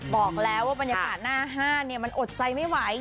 บอกแล้วว่าบรรยากาศหน้าห้านมันอดใจไม่ไหว